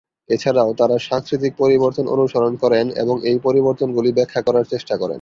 এছাড়াও তারা সাংস্কৃতিক পরিবর্তন অনুসরণ করেন এবং এই পরিবর্তনগুলি ব্যাখ্যা করার চেষ্টা করেন।